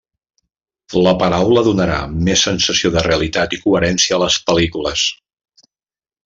La paraula donarà més sensació de realitat i coherència a les pel·lícules.